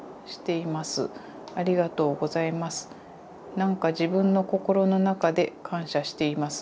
なんか自分の心の中で感謝しています。